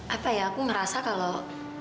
apa ya aku merasa kalau